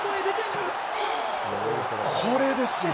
これですよ。